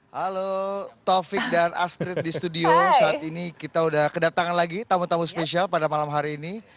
halo taufik dan astrid di studio saat ini kita sudah kedatangan lagi tamu tamu spesial pada malam hari ini